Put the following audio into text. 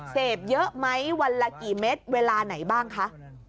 เสพเยอะไหมวันละกี่เม็ดเวลาไหนบ้างคะ